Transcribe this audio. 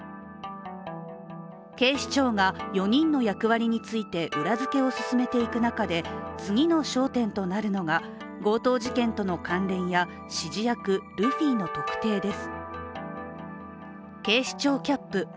警視庁が４人の役割について裏づけを進めていく中で、次の焦点となるのが強盗事件との関連や指示役・ルフィの特定です。